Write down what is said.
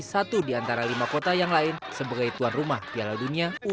satu di antara lima kota yang lain sebagai tuan rumah piala dunia u dua puluh